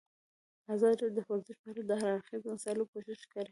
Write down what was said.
ازادي راډیو د ورزش په اړه د هر اړخیزو مسایلو پوښښ کړی.